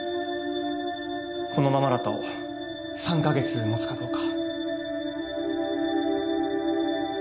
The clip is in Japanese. このままだと３か月もつかどうか。